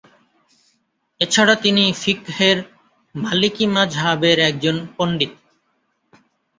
এছাড়া তিনি ফিকহের মালিকি মাজহাবের একজন পণ্ডিত।